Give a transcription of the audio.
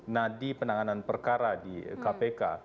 nadi penanganan perkara di kpk